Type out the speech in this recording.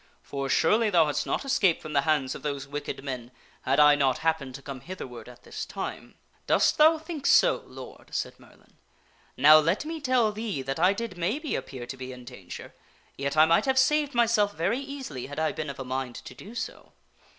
For, surely, thou hadst not escaped from the hands of those wicked men had I not happened to come hitherward at this time." " Dost thou think so, Lord?" said Merlin. " Now let me tell thee that I did maybe appear to be in danger, yet I might have saved myself very easily had I been of a mind to do so.